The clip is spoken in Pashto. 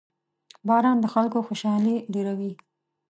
• باران د خلکو خوشحالي ډېروي.